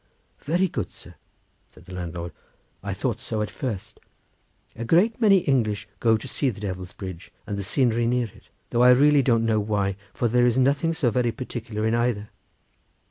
"Very good, sir!" said the landlord; "I thought so at first. A great many English go to see the Devil's Bridge and the scenery near it, though I really don't know why, for there is nothing so very particular in either.